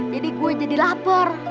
jadi gue jadi lapar